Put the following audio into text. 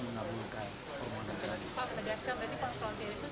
pak menegaskan berarti konfrontir itu semua peristiwa di kronologi